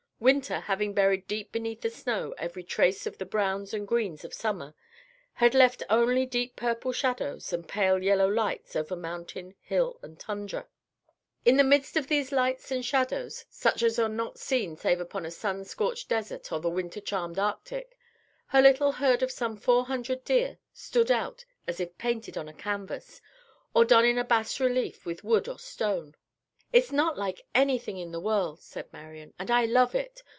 Winter, having buried deep beneath the snow every trace of the browns and greens of summer, had left only deep purple shadows and pale yellow lights over mountain, hill and tundra. In the midst of these lights and shadows, such as are not seen save upon a sun scorched desert or the winter charmed Arctic, her little herd of some four hundred deer stood out as if painted on a canvas or done in bas relief with wood or stone. "It's not like anything in the world," said Marian, "and I love it.